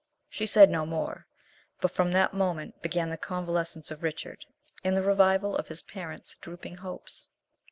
She said no more, but from that moment began the convalescence of Richard, and the revival of his parents' drooping hopes.